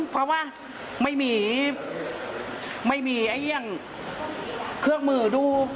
เพราะว่าไม่มีเครื่องมือดู